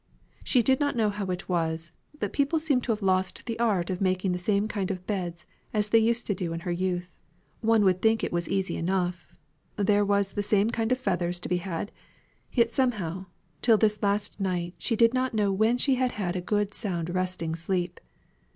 She did not know how it was, but people seemed to have lost the art of making the same kind of beds as they used to do in her youth. One would think it was easy enough; there was the same kind of feathers to be had, and yet somehow, till this last night she did not know when she had had a good sound resting sleep.